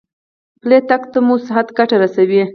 پلی تګ مو صحت ته ګټه رسوي.